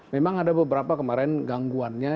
memang ada beberapa kemarin gangguannya